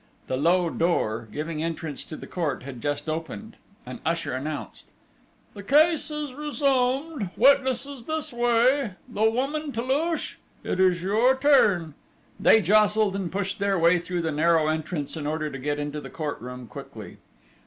The little low door, giving entrance to the court, had just opened: an usher announced: "The case is resumed!... Witnesses this way!... The woman Toulouche?... It is your turn!..." They jostled and pushed their way through the narrow entrance in order to get into the court room quickly.